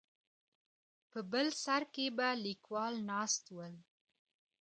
په بل سر کې به کليوال ناست ول.